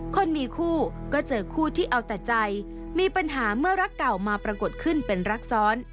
คนมีคู่ก็เจอคู่ที่เอาแต่ใจมีปัญหาเมื่อรักเก่ามาปรากฏขึ้นเป็นรักซ้อน